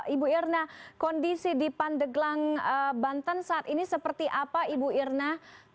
ibu irna kondisi di pandeglang banten saat ini seperti apa ibu irna